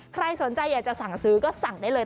ใครสนใจอยากจะสั่งซื้อก็สั่งได้เลย